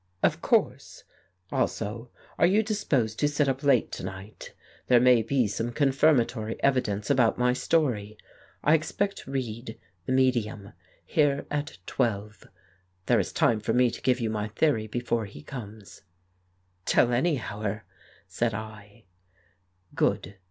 "Of course. Also, are you disposed to sit up late to night? There may be some confirmatory evidence 154 The Case of Frank Hampden about my story. I expect Reid, the medium, here at twelve. There is time for me to give you my theory before he comes." "Till any hour," said I. "Good.